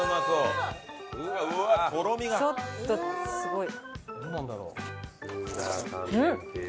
ちょっとすごい！